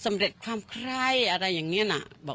สำเร็จความคล้ายอะไรอย่างเนี่ยน่ะ